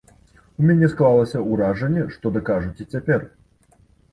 У мяне склалася ўражанне, што дакажуць і цяпер.